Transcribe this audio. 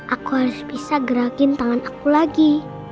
aku harus bisa gerakin tangan aku lagi